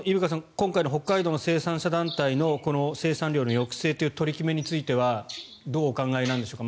今回の北海道の生産者団体の生産量の抑制という取り決めについてはどうお考えなんでしょうか。